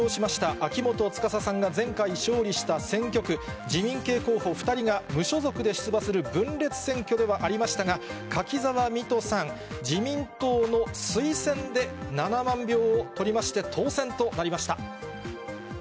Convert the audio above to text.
秋元司さんが、前回勝利した選挙区、自民系候補２人が無所属で出馬する分裂選挙ではありましたが、柿沢未途さん、自民党の推薦で、７万票を取りまして、当選となりました。